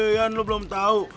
uih ian lu blom tau